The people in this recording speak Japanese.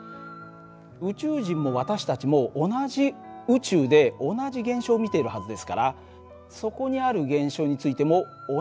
宇宙人も私たちも同じ宇宙で同じ現象を見ているはずですからそこにある現象についても同じ解釈をしてるでしょう。